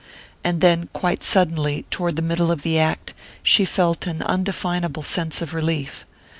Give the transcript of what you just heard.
And then, quite suddenly, toward the middle of the act, she felt an undefinable sense of relief.